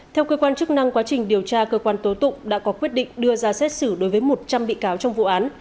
theo cơ quan chức năng quá trình điều tra cơ quan tố tụng đã có quyết định đưa ra xét xử đối với một trăm linh bị cáo trong vụ án